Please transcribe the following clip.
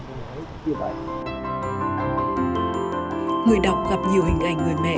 người đọc gặp nhiều hình ảnh người mẹ